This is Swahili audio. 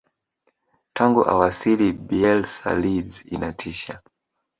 tangu awasili bielsa leeds inatisha